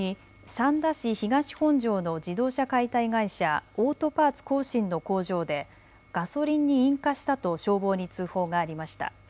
三田市東本庄の自動車解体会社、オートパーツ光伸の工場でガソリンに引火したと消防に通報がありました。